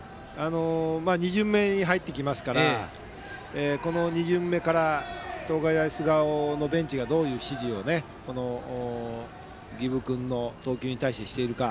２巡目に入ってきますからこの２巡目から東海大菅生のベンチがどういう指示を儀部君の投球に対してしているか。